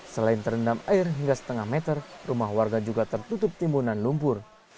selain terendam air hingga setengah meter rumah warga juga tertutup timbunan lumpur